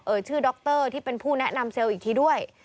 เอ่ยชื่อด็อกเตอร์ที่เป็นผู้แนะนำเซลล์อีกทีด้วย